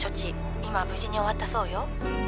今無事に終わったそうよ